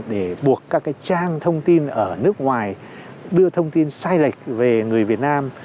để buộc các cái trang thông tin ở nước ngoài đưa thông tin sai lệch về người việt nam